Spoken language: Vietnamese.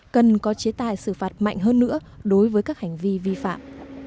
cần có chế tài xử phạt mạnh hơn nữa đối với các hành vi vi phạm